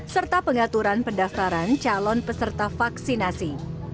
serta pengaturan pendaftaran calon peserta vaksinasi